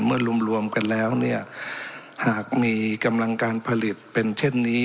รวมรวมกันแล้วเนี่ยหากมีกำลังการผลิตเป็นเช่นนี้